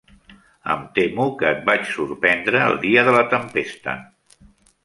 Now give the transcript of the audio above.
Em temo que et vaig sorprendre el dia de la tempesta.